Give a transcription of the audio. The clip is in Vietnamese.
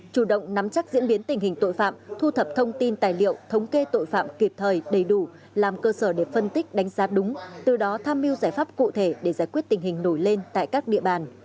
chủ động nắm chắc diễn biến tình hình tội phạm thu thập thông tin tài liệu thống kê tội phạm kịp thời đầy đủ làm cơ sở để phân tích đánh giá đúng từ đó tham mưu giải pháp cụ thể để giải quyết tình hình nổi lên tại các địa bàn